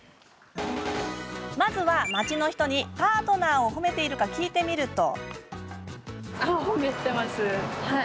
まずは、街の人にパートナーを褒めているか聞いてみると？